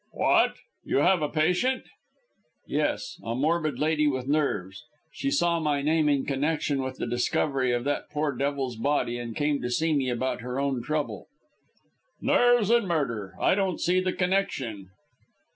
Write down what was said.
"What? You have a patient?" "Yes, a morbid lady with nerves. She saw my name in connection with the discovery of that poor devil's body, and came to see me about her own trouble." "Nerves and murder. I don't see the connection."